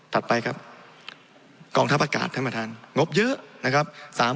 ไปครับกองทัพอากาศท่านประธานงบเยอะนะครับ